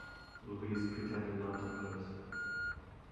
Louise pretended not to notice.